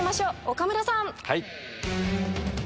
岡村さん。